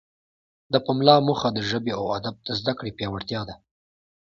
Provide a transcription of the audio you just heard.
د پملا موخه د ژبې او ادب د زده کړې پیاوړتیا ده.